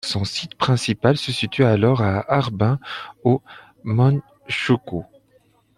Son site principal se situe alors à Harbin au Mandchoukouo.